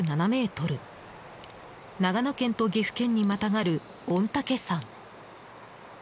長野県と岐阜県にまたがる御嶽山。